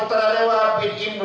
dan bukit ibu